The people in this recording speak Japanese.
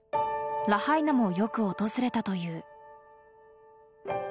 ラハイナもよく訪れたという。